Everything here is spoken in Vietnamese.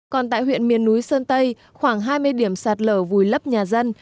còn tại huyện miền núi sơn tây khoảng hai mươi điểm sạt lở vùi lấp nhà dân